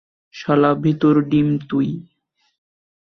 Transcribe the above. শালা, ভীতুর ডিম তুই।